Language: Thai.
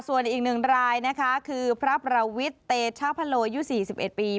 ส่วนอีกหนึ่งรายนะคะคือพระประวิทย์เตชะพะโลยุ๔๑ปี